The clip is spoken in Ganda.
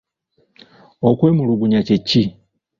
Okwemulugunya kye ki?